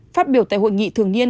phát biểu tại hội nghị thường niên